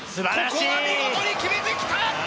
ここは見事に決めてきた！